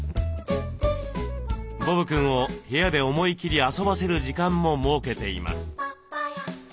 ボブくんを部屋で思い切り遊ばせる時間も設けています。